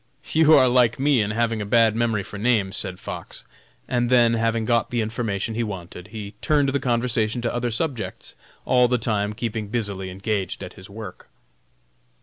"You are like me in having a bad memory for names," said Fox, and then, having got the information he wanted, he turned the conversation to other subjects, all the time keeping busily engaged at his work.